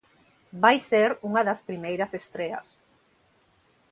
Vai ser unha das primeiras estreas.